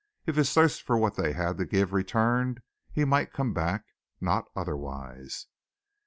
If his thirst for what they had to give returned, he might come back not otherwise.